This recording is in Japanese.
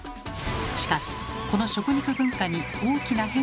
しかしこの食肉文化に大きな変化が起こります。